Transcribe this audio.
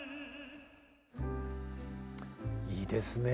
いいですね